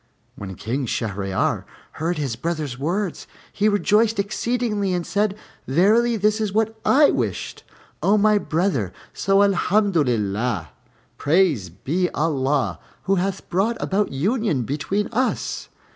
When King Shahryar heard his brother's words, he rejoiced exceedingly and said, "Verily, this is what I wished, O my brother. So Alhamdolillah Praised be Allah! who hath brought about union between us."